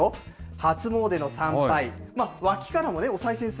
初詣の参拝、脇からもおさい銭する